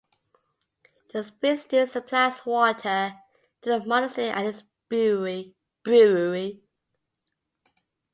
The spring still supplies water to the monastery and its brewery.